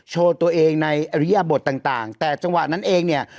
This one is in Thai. โชว์ตัวเองในอริยบทต่างแต่จังหวะนั้นเองเนี่ย